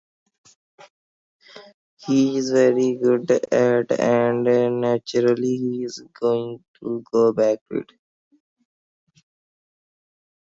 He's very good at it, and naturally he's going to go back to it.